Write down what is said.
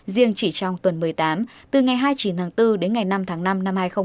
riêng chỉ trong tuần một mươi tám từ ngày hai mươi chín tháng bốn đến ngày năm tháng năm năm hai nghìn hai mươi bốn